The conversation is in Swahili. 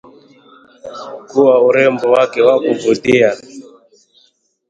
Kwa urembo wake wa kuvutia